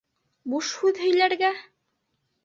Буш һүҙ һөйләргә?